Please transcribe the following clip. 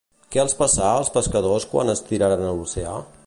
Què els passà als pescadors quan es tiraren a l'oceà?